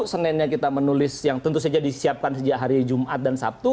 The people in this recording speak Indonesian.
seninnya kita menulis yang tentu saja disiapkan sejak hari jumat dan sabtu